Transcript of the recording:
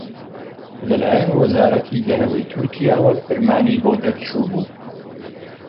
لەلایەن وەزارەتی دەرەوەی تورکیاوە فرمانی بۆ دەرچووبوو